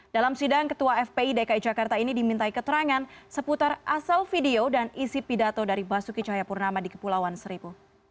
dalam sidang ketua fpi dki jakarta ini dimintai keterangan seputar asal video dan isi pidato dari basuki cahayapurnama di kepulauan seribu